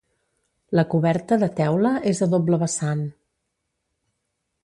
La coberta, de teula, és a doble vessant.